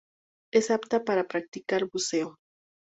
Es apta para practicar buceo.